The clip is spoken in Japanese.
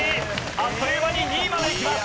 あっという間に２位まで行きます。